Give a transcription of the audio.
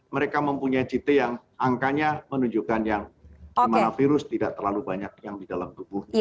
mereka mempunyai ct yang angkanya menunjukkan yang dimana virus tidak terlalu banyak yang di dalam tubuhnya